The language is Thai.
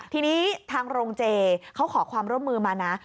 ทีนี้ทางโรงเจเขาขอความร่วมมือมานะ